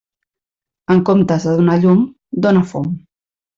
En comptes de donar llum, dóna fum.